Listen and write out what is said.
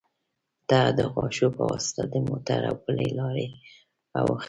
ته د غاښو يه واسطه د موټو او پلې لارې اوښتي